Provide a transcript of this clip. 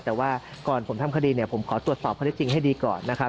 แต่ว่าก่อนผมทำคดีเนี่ยผมขอตรวจสอบข้อได้จริงให้ดีก่อนนะครับ